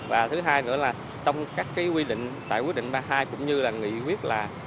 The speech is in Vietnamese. và thứ hai nữa là trong các quy định tại quyết định ba mươi hai cũng như là nghị quyết là